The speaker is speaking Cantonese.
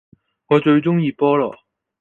我最鍾意菠蘿